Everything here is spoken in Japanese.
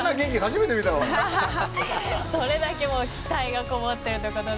それだけの期待がこもってるということで。